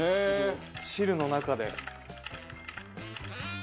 汁の中で。